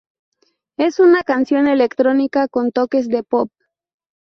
Es una canción electrónica con toques de pop.